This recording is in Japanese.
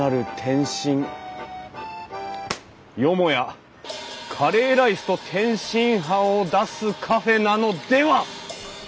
よもやカレーライスと天津飯を出すカフェなのでは！